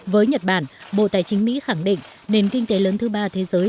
với nhật bản bộ tài chính mỹ khẳng định nền kinh tế lớn thứ ba thế giới